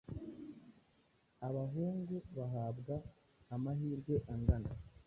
abahungu bahabwa amahirwe angana?